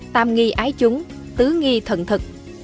tam nghi ái chúng tứ nghi thận thực